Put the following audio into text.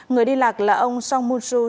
người đi lạc là ông song moon soo